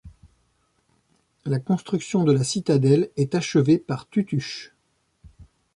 La construction de la citadelle est achevée par Tutush.